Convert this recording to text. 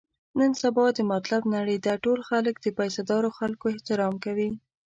نن سبا د مطلب نړۍ ده، ټول خلک د پیسه دارو خلکو احترام کوي.